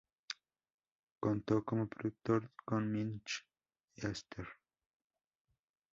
Contó como productor con Mitch Easter.